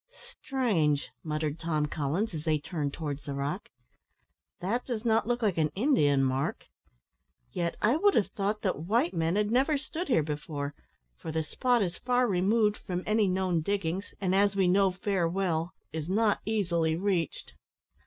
"Strange!" muttered Tom Collins, as they turned towards the rock; "that does not look like an Indian mark; yet I would have thought that white men had never stood here before, for the spot is far removed from any known diggings, and, as we know fail well, is not easily reached."